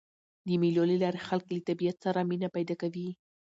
د مېلو له لاري خلک له طبیعت سره مینه کوي.